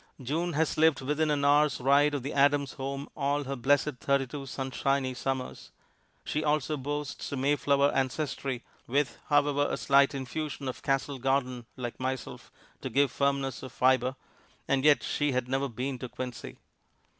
June has lived within an hour's ride of the Adams' home all her blessed thirty two sunshiny summers; she also boasts a Mayflower ancestry, with, however, a slight infusion of Castle Garden, like myself, to give firmness of fiber and yet she had never been to Quincy.